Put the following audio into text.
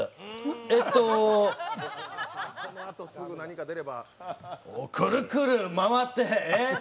えっと、くるくる待って、えっ。